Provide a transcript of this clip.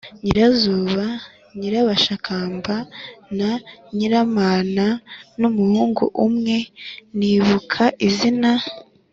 nyirazuba, nyirabashakamba na nyiramana n’umuhungu umwe ntibuka izina.